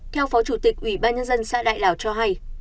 theo phó chủ tịch ủy ban nhân dân xã đại lào cho hay